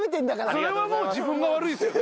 それはもう自分が悪いですよね。